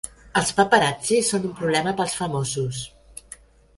Els paparazzi són un problema per als famosos.